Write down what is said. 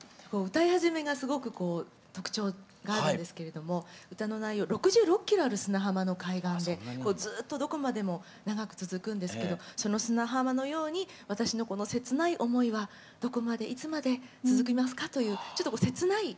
歌い始めがすごくこう特徴があるんですけれども歌の内容６６キロある砂浜の海岸でこうずっとどこまでも長く続くんですけどその砂浜のように私のこの切ない思いはどこまでいつまで続きますか？というちょっと切ない歌ですね。